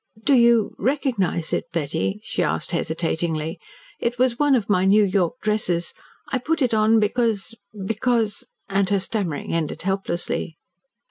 "Do you recognise it, Betty?" she asked hesitatingly. "It was one of my New York dresses. I put it on because because " and her stammering ended helplessly.